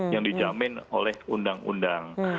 yang dijamin oleh undang undang